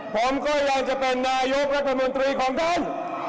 ผมก็ยังจะเป็นนายกรัฐมนตรีของท่าน